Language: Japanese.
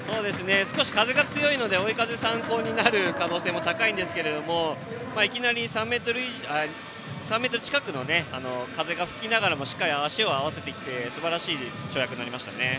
少し風が強いので追い風参考になる可能性も高いんですけどいきなり３メートル近くの風が吹きながらもしっかり足を合わせてきてすばらしい跳躍になりましたね。